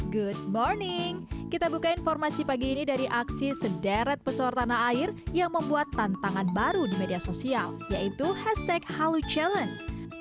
good morning kita buka informasi pagi ini dari aksi sederet pesoar tanah air yang membuat tantangan baru di media sosial yaitu hashtag halo challenge